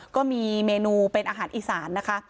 ก็มีเมนูเป็นอาหารอีสานนะคะ